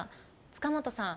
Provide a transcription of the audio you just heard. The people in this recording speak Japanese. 塚本さん